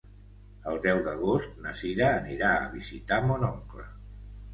El deu d'agost na Sira anirà a visitar mon oncle.